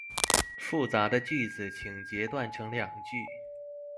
複雜的句子請截斷成兩句